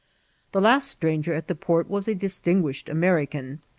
The last stranger at the port was a distinguished American.